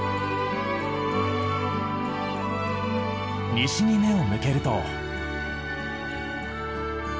西に目を向けると。